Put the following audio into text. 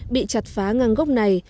bị chặt phá ngang gốc này